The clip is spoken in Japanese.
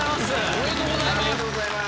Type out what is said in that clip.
おめでとうございます！